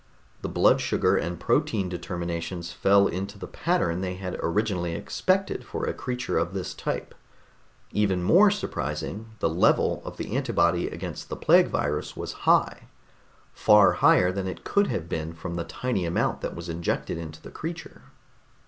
The blood sugar and protein determinations fell into the pattern they had originally expected for a creature of this type. Even more surprising, the level of the antibody against the plague virus was high far higher than it could have been from the tiny amount that was injected into the creature.